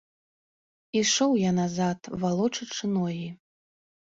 Ішоў я назад, валочачы ногі.